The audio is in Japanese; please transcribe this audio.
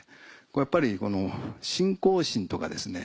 やっぱり信仰心とかですね